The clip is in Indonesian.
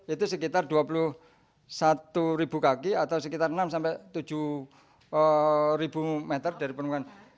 itu sekitar dua puluh satu ribu kaki atau sekitar enam sampai tujuh meter dari penurunan